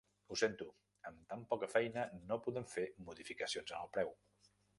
Ho sento, amb tan poca feina no podem fer modificacions en el preu.